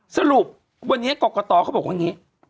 สรุปวันนี้กรกตเขาบอกว่าอย่างนี้